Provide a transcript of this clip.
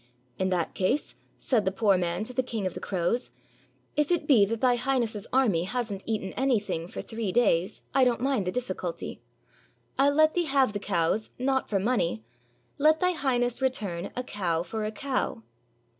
"In that case," said the poor man to the King of the Crows, "if it be that Thy Highness's army has n't eaten anything for three days, I don't mind the diflficulty. I '11 let thee have the cows, not for money; let Thy Highness return a cow for a cow."